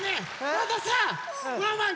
まださワンワン